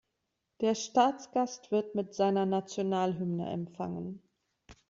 Der Staatsgast wird mit seiner Nationalhymne empfangen.